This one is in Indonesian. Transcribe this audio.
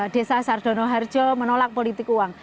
desa sardono harjo menolak politik uang